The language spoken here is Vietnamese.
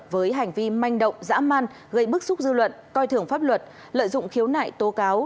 với hành vi manh động dã man gây bức xúc dư luận coi thường pháp luật lợi dụng khiếu nại tố cáo